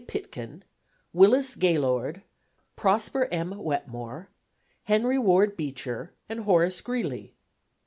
Pitkin, Willis Gaylord, Prosper M. Wetmore, Henry Ward Beecher, and Horace Greeley.